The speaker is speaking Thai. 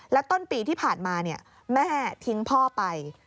แล้วต้นปีที่ผ่านมาแม่ทิ้งพ่อไป